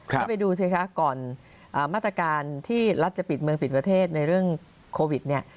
ก็ไปดูสิคะก่อนมาตรการที่รัฐจะปิดเมืองปิดประเทศในเรื่องโควิดเนี่ย